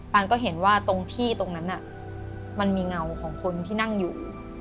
ันก็เห็นว่าตรงที่ตรงนั้นมันมีเงาของคนที่นั่งอยู่